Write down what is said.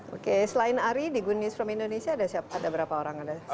oke selain ari di good news from indonesia ada berapa orang ada